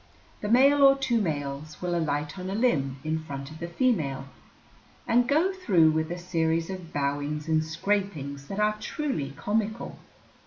The male or two males will alight on a limb in front of the female, and go through with a series of bowings and scrapings that are truly comical.